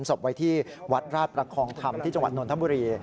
ศพไว้ที่วัดราชประคองธรรมที่จังหวัดนทบุรี